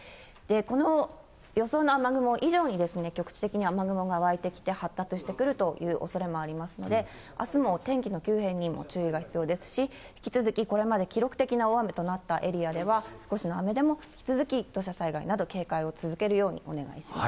この予想の雨雲以上に、局地的に雨雲が湧いてきて発達してくるという局地的におそれもありますので、あすも天気の急変に注意が必要ですし、引き続きこれまで記録的な大雨となったエリアでは、少しの雨でも引き続き土砂災害など、警戒を続けるようにお願いします。